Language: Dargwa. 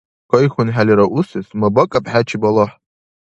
КайхьунхӀелира усес, мабакӀаб хӀечи балагь.